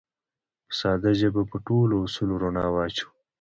په ساده ژبه به په ټولو اصولو رڼا واچوو